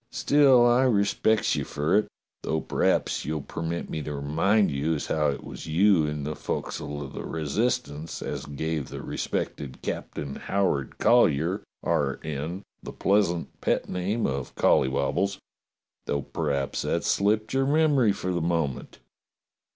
"Still I respec's you fer it, though p'raps you'll permit me to remind you as how it was you in the fo'csle of the Resistance as gave the respected Captain Howard Collyer, R. N., the pleasant pet name of Colly wobbles. Though p'raps that's slipped your memory for the moment."